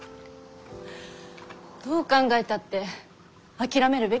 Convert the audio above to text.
どう考えたって諦めるべきだよ。